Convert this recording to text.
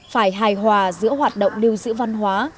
phải hài hòa giữa hoạt động lưu giữ văn hóa